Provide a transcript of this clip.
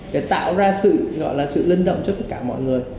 để tạo ra sự linh động cho tất cả mọi người